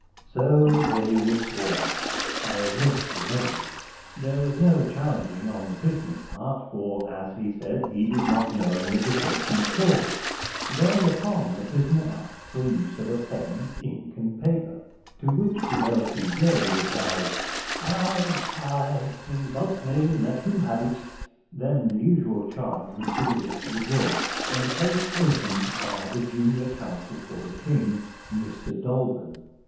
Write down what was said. So they were sworn. I omit the names. There was no challenging on the prisoner's part, for, as he said, he did not know any of the persons called. Thereupon the prisoner asked for the use of pen, ink, and paper, to which the L. C. J. replied: 'Ay, ay, in God's name let him have it.' Then the usual charge was delivered to the jury, and the case opened by the junior counsel for the King, Mr Dolben.